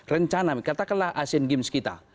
rencana katakanlah asian games kita